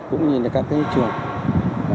cũng như là các trường